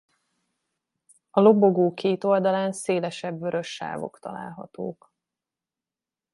A lobogó két oldalán szélesebb vörös sávok találhatók.